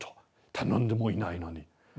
頼んでもいないのに。